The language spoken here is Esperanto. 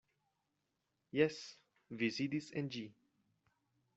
Jes; vi sidis en ĝi.